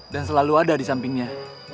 dan selalu ada di sampingnya